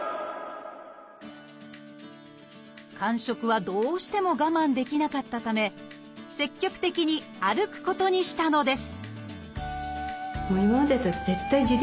間食はどうしても我慢できなかったため積極的に歩くことにしたのです